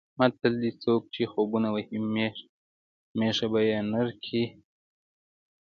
متل دی: څوک چې خوبونه وهي مېښه به یې نر کټي زېږوي.